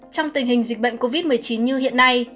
trong tình hình dịch bệnh covid một mươi chín như hiện nay